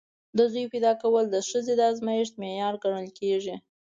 د زوی پیدا کول د ښځې د ارزښت معیار ګڼل کېږي.